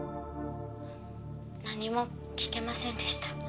「何も聞けませんでした」